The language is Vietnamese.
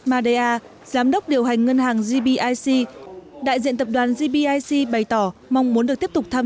mada giám đốc điều hành ngân hàng gbic đại diện tập đoàn gbic bày tỏ mong muốn được tiếp tục thăm